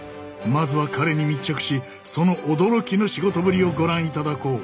まずは彼に密着しその驚きの仕事ぶりをご覧いただこう。